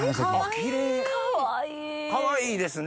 キレイかわいいですね。